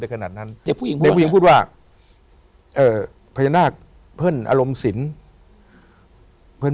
ในขณะนั้นเด็กผู้หญิงพูดว่าเอ่อพญานาคเพื่อนอารมณ์สินเพื่อน